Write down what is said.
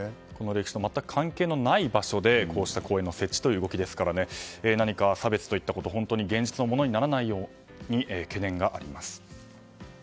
歴史と全く関係ない場所で公園設置の動きということですから何か差別といったことが現実のものにならないようにというお懸念があります。